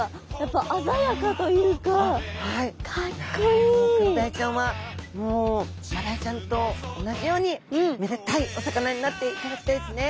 いやもうクロダイちゃんはもうマダイちゃんと同じようにめでタイお魚になっていただきたいですね。